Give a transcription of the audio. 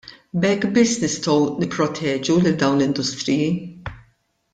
B'hekk biss nistgħu nipproteġu lil dawn l-industriji.